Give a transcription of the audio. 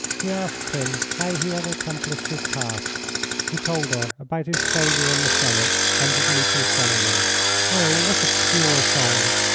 She asked him how he had accomplished his tasks. He told her about his failure in the Senate and his meeting Selenin. "Oh, what a pure soul!